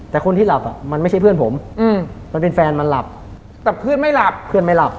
แต่คนที่หลับอ่ะมันไม่ใช่เพื่อนผมมันเป็นแฟนมันหลับแต่เพื่อนไม่หลับเพื่อนไม่หลับ